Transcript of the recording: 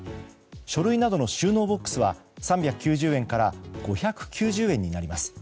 書類などの収納ボックスは３９０円から５９０円になります。